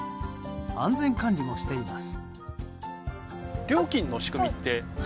安全管理もしています。